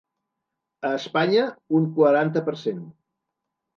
A Espanya un quaranta per cent.